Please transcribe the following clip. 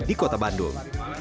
di kota bandung